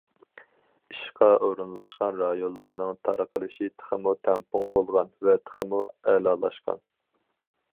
ئىشقا ئورۇنلاشقان رايونلارنىڭ تارقىلىشى تېخىمۇ تەڭپۇڭ بولغان ۋە تېخىمۇ ئەلالاشقان.